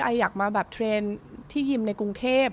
อยากมาแบบเทรนด์ที่ยิมในกรุงเทพ